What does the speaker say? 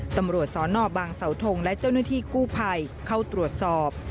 ตำรวจสนบางเสาทงและเจ้าหน้าที่กู้ภัยเข้าตรวจสอบ